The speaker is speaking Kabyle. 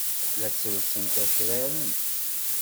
La ttellsent akraren.